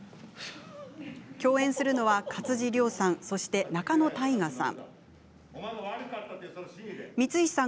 共演するのは、勝地涼さんそして仲野太賀さん。